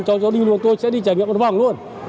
cháu cháu đi luôn tôi sẽ đi trải nghiệm một vòng luôn